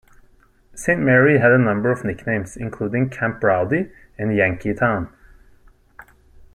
Saint Mary had a number of nicknames, including Camp Rowdy and Yankeetown.